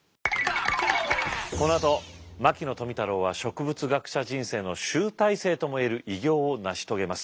このあと牧野富太郎は植物学者人生の集大成とも言える偉業を成し遂げます。